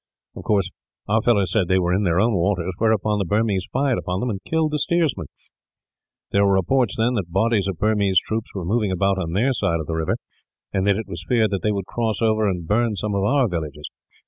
Of course, our fellows said they were in their own waters, whereupon the Burmese fired upon them and killed the steersman. There were reports, then, that bodies of Burmese troops were moving about on their side of the river, and that it was feared they would cross over and burn some of our villages.